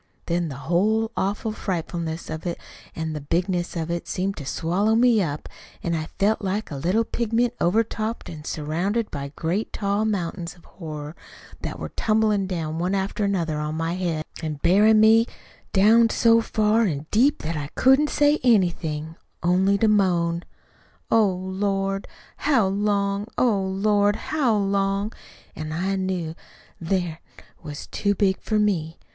Then the whole awful frightfulness of it an' the bigness of it seemed to swallow me up, an' I felt like a little pigment overtopped an' surrounded by great tall mountains of horror that were tumblin' down one after another on my head, an' bury in' me down so far an' deep that I couldn't say anything, only to moan, 'Oh, Lord, how long, oh, Lord, how long?' An' I knew then't was too big for me.